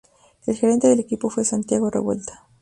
El gerente del equipo fue Santiago Revuelta.